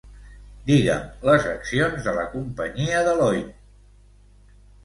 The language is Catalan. Digue'm les accions de la companyia Deloitte.